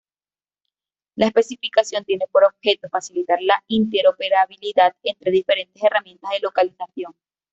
La especificación tiene por objeto facilitar la interoperabilidad entre diferentes herramientas de localización.